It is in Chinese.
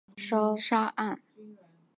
可分为岩岸与沙岸。